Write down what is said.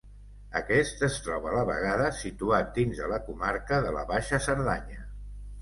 Aquest es troba a la vegada situat dins de la comarca de la Baixa Cerdanya.